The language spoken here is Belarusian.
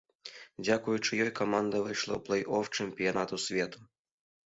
Дзякуючы ёй каманда выйшла ў плэй-оф чэмпіянату свету.